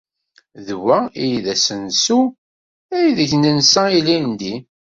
D wa ay d asensu aydeg nensa ilindi.